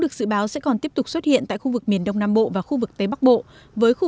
được dự báo sẽ còn tiếp tục xuất hiện tại khu vực miền đông nam bộ và khu vực tây bắc bộ với khu